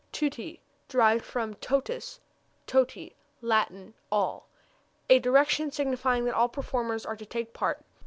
Tutti (derived from totus, toti, Latin all) a direction signifying that all performers are to take part.